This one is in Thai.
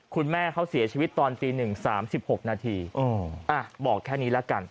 คุณแม่เขาเสียชีวิตตอนตีหนึ่งสามสิบหกนาทีอ๋ออ่ะบอกแค่นี้แล้วกัน